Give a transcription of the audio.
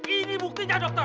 ini buktinya dokter